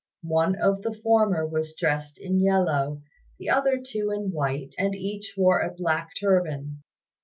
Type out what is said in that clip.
One of the former was dressed in yellow, the other two in white, and each wore a black turban.